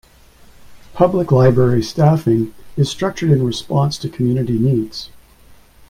Public library staffing is structured in response to community needs.